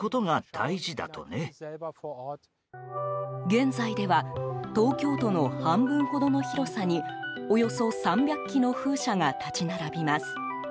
現在では東京都の半分ほどの広さにおよそ３００基の風車が立ち並びます。